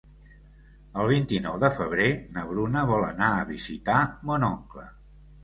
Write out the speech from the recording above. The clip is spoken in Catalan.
El vint-i-nou de febrer na Bruna vol anar a visitar mon oncle.